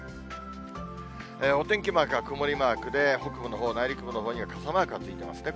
お天気マークは曇りマークで、北部のほう、内陸部のほうには傘マークがついてますね。